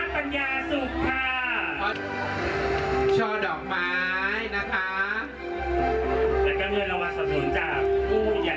ฝั่งไม้นะคะ